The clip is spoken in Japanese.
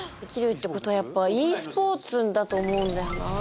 やっぱｅスポーツだと思うんだよな。